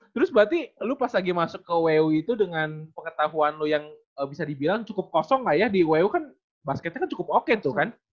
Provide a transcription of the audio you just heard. terus berarti lo pas lagi masuk ke we itu dengan pengetahuan lo yang bisa dibilang cukup kosong lah ya di wu kan basketnya kan cukup oke tuh kan